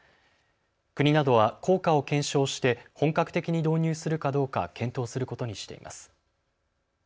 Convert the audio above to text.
国などは効果を検証して本格的に導入するかどうか検討することにしています。